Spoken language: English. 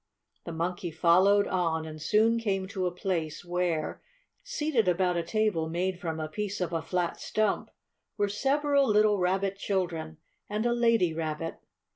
The Monkey followed on, and soon came to a place where, seated about a table made from a piece of a flat stump, were several little Rabbit children and a lady Rabbit.